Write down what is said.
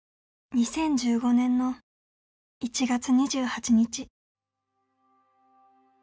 ２０１５年の１月２８日。